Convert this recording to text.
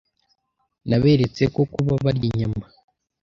Naberetse ko kuba barya inyama